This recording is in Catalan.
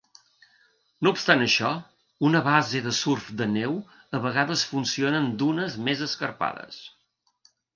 No obstant això, una base de surf de neu a vegades funciona en dunes més escarpades.